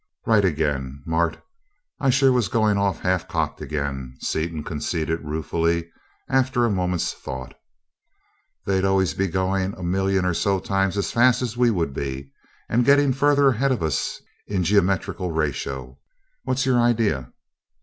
"Right again. Mart I sure was going off half cocked again," Seaton conceded ruefully, after a moment's thought. "They'd always be going a million or so times as fast as we would be, and getting further ahead of us in geometrical ratio. What's your idea?"